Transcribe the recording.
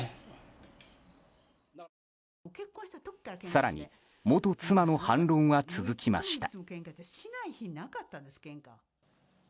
更に元妻の反論は続きました。